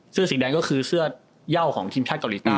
เสื้อสีแดงก็คือเสื้อเย่าของทีมชาติเกาหลีใต้